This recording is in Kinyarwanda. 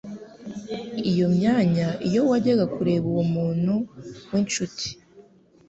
iyo myanya iyo wajyaga kureba uwo muntu w'inshuti